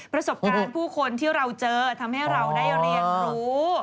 ประสบการณ์ผู้คนที่เราเจอทำให้เราได้เรียนรู้